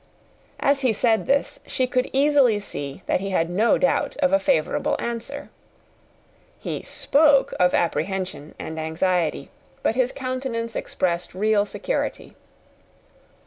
As he said this she could easily see that he had no doubt of a favourable answer. He spoke of apprehension and anxiety, but his countenance expressed real security.